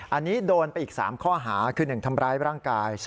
อันนี้โดนไปอีก๓ข้อหาคือ๑ทำร้ายร่างกาย